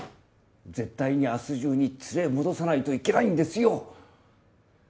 絶対に明日中に連れ戻さないといけないんですよ！